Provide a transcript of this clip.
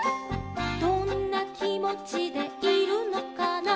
「どんなきもちでいるのかな」